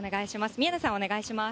宮根さん、お願いします。